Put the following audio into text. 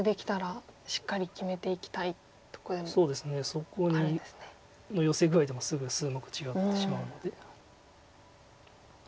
そこのヨセ具合でもすぐ数目違ってしまうので。